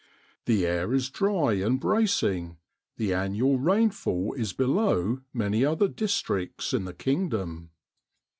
The air is dry and bracing; the annual rainfall is below many other districts in the kingdom.